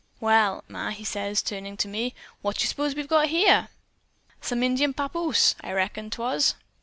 "'Well, Ma,' he says, turning to me, 'what d' s'pose we've got here?' "'Some Indian papoose,' I reckoned 'twas.